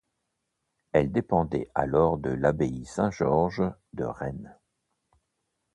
Elle dépendait alors de l'abbaye Saint-Georges de Rennes.